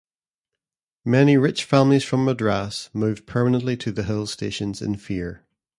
Many rich families from Madras moved permanently to the hill stations in fear.